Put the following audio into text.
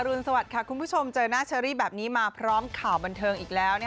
รุนสวัสดิ์คุณผู้ชมเจอหน้าเชอรี่แบบนี้มาพร้อมข่าวบันเทิงอีกแล้ว